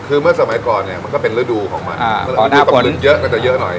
คือเมื่อสมัยก่อนเนี่ยมันก็เป็นฤดูของมันถ้าพื้นเยอะก็จะเยอะหน่อย